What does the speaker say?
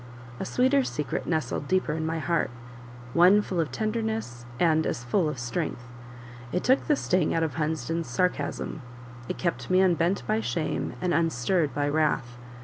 A sweeter secret nestled deeper in my heart; one full of tenderness and as full of strength: it took the sting out of Hunsden's sarcasm; it kept me unbent by shame, and unstirred by wrath.